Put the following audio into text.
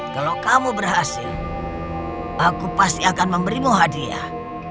kalau kamu berhasil aku pasti akan memberimu hadiah